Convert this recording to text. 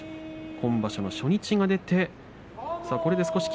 今場所の初日が出ました。